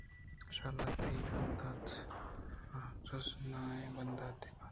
شالا تئی باندات رژنائیں بانداتے بات